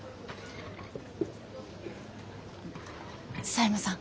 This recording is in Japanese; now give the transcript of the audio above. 佐山さん。